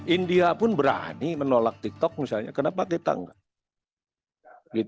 india pun berani menolak tiktok misalnya kenapa kita enggak